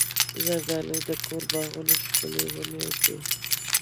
زردالو د کور باغونو ښکلې ونه ده.